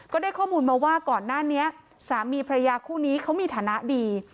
ก็ได้ข้อมูลมาว่าก่อนหน้านี้สามีพระยาคู่นี้เขามีฐานะดี